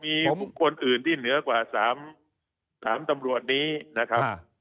มีบุคคลอื่นที่เหนือกว่า๓ตำรวจนี้นะครับ